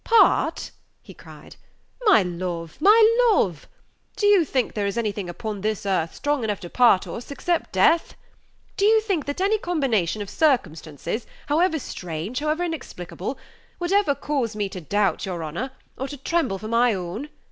"Part!" he cried; "my love, my love! Do you think there is anything upon this earth strong enough to part us, except death? Do you think that any combination of circumstances, however strange, however inexplicable, would ever cause me to doubt your honor, or to tremble for my own?